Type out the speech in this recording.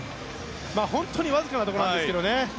本当にわずかなところなんですけどね。